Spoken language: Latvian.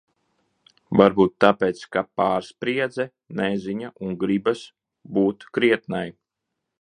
Varbūt tāpēc, ka pārspriedze, neziņa un gribas būt krietnai.